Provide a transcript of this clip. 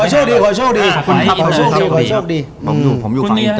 หอโชคดี